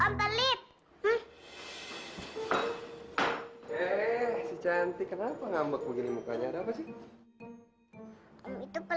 om pelit eh cantik kenapa ngambek begini mukanya ada apa sih itu pelit deka terus